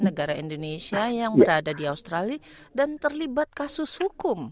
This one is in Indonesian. negara indonesia yang berada di australia dan terlibat kasus hukum